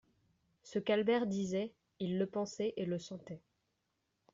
Ce qu'Albert disait, il le pensait et le sentait.